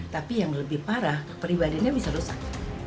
tapi yang lebih parah kepribadiannya bisa rusak